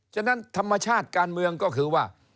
ฉะนั้นธรรมชาติการเมืองก็คือว่า